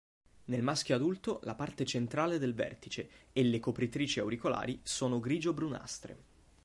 Nel maschio adulto, la parte centrale del vertice e le copritrici auricolari sono grigio-brunastre.